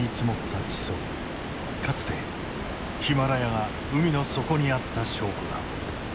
かつてヒマラヤが海の底にあった証拠だ。